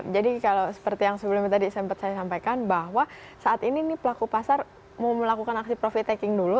jadi kalau seperti yang sebelumnya tadi sempat saya sampaikan bahwa saat ini nih pelaku pasar mau melakukan aksi profit taking dulu